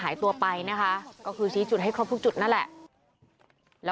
หายตัวไปนะคะก็คือชี้จุดให้ครบทุกจุดนั่นแหละแล้ว